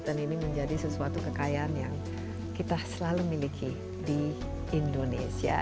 dan ini menjadi sesuatu kekayaan yang kita selalu miliki di indonesia